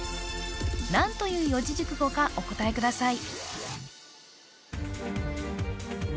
何という四字熟語かお答えください